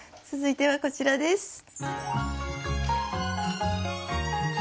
続いてはこちらです。